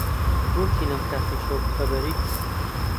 بۆچی لەم کاتەی شەو بەخەبەریت؟